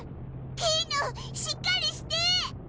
ピーノしっかりして！